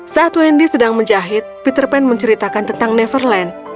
saat wendy sedang menjahit peter pan menceritakan tentang neverland